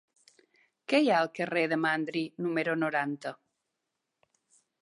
Què hi ha al carrer de Mandri número noranta?